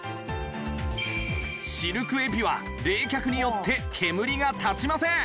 シルクエピは冷却によって煙が立ちません！